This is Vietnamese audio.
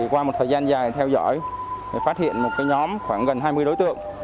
qua một thời gian dài theo dõi phát hiện một nhóm khoảng gần hai mươi đối tượng